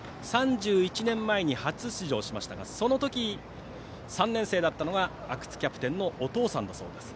３１年前に初出場しましたがそのとき、３年生だったのが阿久津キャプテンのお父さんだそうです。